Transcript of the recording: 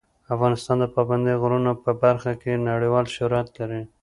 افغانستان د پابندي غرونو په برخه کې نړیوال شهرت لري.